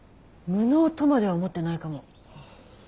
無能とまでは思ってないかも。